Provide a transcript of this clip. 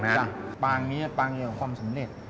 ปางกำลังคือในการซึ่งเป็นความสำเร็จ